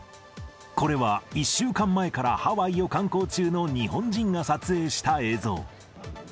これは１週間前からハワイを観光中の日本人が撮影した映像。